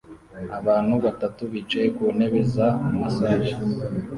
Abantu batatu bicaye ku ntebe za massage